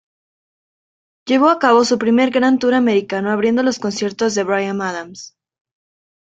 Llevó a cabo su primer gran tour americano abriendo los conciertos de Bryan Adams.